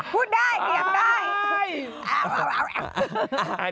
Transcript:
พูดได้เดี๋ยวได้